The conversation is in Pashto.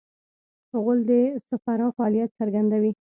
غول د صفرا فعالیت څرګندوي.